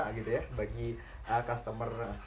sejauh ini desain yang bisa dikatakan prima donna gitu ya